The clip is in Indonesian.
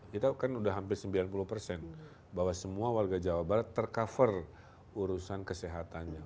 kita kan sudah hampir sembilan puluh persen bahwa semua warga jawa barat tercover urusan kesehatannya